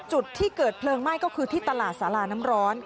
จุดที่เกิดเพลิงไหม้ก็คือที่ตลาดสาราน้ำร้อน